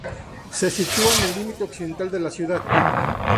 Se sitúa en el límite occidental de la ciudad.